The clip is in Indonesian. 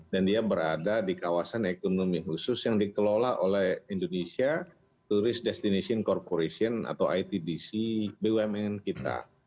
dan dia berada di kawasan ekonomi khusus yang dikelola oleh indonesia tourist destination corporation atau itdc bumn kita